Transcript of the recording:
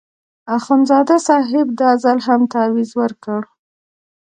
اخندزاده صاحب دا ځل هم تاویز ورکړ.